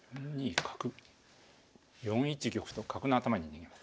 ４一玉と角の頭に逃げます。